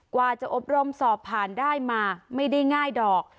กว่าจะอบรมสอบผ่านได้มาไม่ได้ง่ายดอก